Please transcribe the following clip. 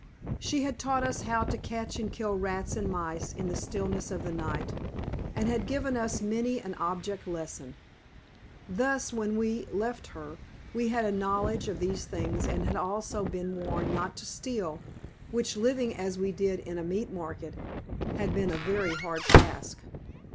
She had taught us how to catch and kill rats and mice in the stillness of the night, and had given us many an object lesson. Thus, when we left her we had a knowledge of these things and had also been warned not to steal, which, living as we did, in a meat market, had been a very hard task.